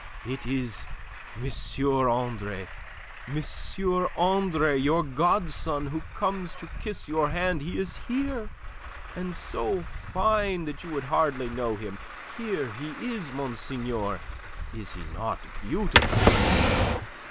"It is M. Andre... M. Andre, your godson, who comes to kiss your hand. He is here... and so fine that you would hardly know him. Here he is, monseigneur! Is he not beautiful?"